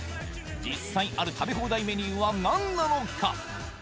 実際ある食べ放題メニューは何なのか？